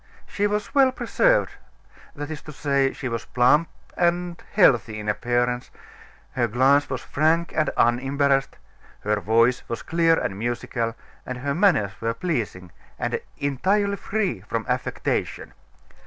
She was well preserved that is to say, she was plump and healthy in appearance; her glance was frank and unembarrassed; her voice was clear and musical, and her manners were pleasing, and entirely free from affectation.